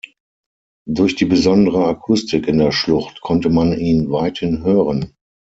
Durch die besondere Akustik in der Schlucht konnte man ihn weithin hören.